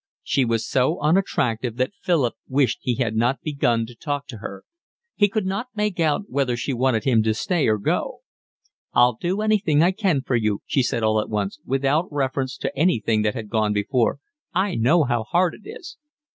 She was so unattractive that Philip wished he had not begun to talk to her. He could not make out whether she wanted him to stay or go. "I'll do anything I can for you," she said all at once, without reference to anything that had gone before. "I know how hard it is."